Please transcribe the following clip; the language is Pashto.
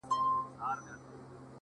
o لکه نغمه لکه سيتار خبري ډيري ښې دي؛